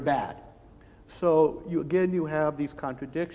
jadi sekali lagi anda memiliki kontradiksi